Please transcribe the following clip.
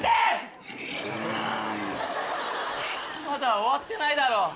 まだ終わってないだろ。